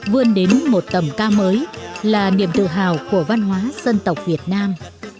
vươn đến một tầm ca mới là niềm tự hào của văn hóa dân tộc việt nam